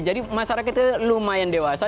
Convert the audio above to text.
jadi masyarakat itu lumayan dewasa